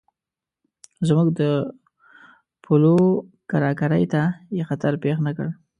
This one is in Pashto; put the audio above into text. زموږ د پولو کرارۍ ته یې خطر پېښ نه کړ.